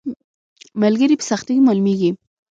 ملګری په سخته کې معلومیږي